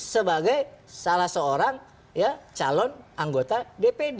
sebagai salah seorang calon anggota dpd